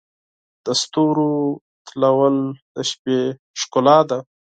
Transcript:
د ستورو تلؤل د شپې ښکلا ده.